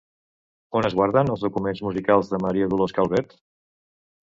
On es guarden els documents musicals de Maria Dolors Calvet?